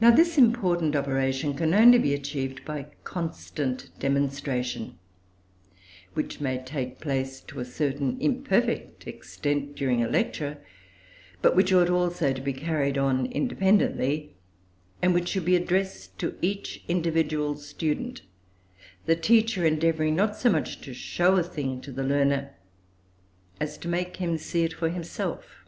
Now this important operation can only be achieved by constant demonstration, which may take place to a certain imperfect extent during a lecture, but which ought also to be carried on independently, and which should be addressed to each individual student, the teacher endeavouring, not so much to show a thing to the learner, as to make him see it for himself.